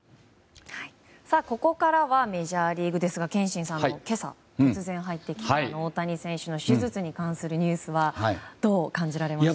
ここからはメジャーリーグですが憲伸さん、今朝突然入ってきた大谷選手の手術に関するニュースはどう感じられましたか。